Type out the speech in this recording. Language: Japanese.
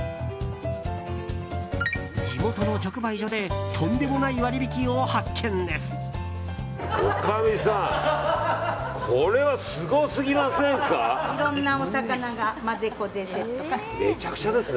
地元の直売所でとんでもない割引きを発見です。